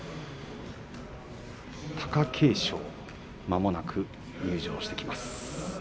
貴景勝まもなく入場してきます。